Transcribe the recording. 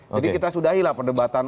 jadi kita sudahilah perdebatan